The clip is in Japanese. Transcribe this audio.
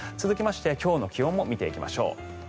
続きまして今日の気温も見ていきましょう。